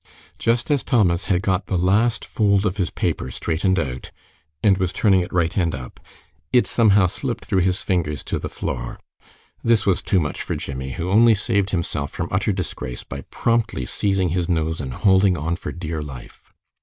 Just as Thomas had got the last fold of his paper straightened out, and was turning it right end up, it somehow slipped through his fingers to the floor. This was too much for Jimmie, who only saved himself from utter disgrace by promptly seizing his nose and holding on for dear life.